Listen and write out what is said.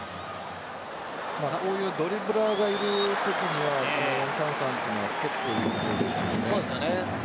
こういうドリブラーがいるときには４−３−３というのは結構、有利ですよね。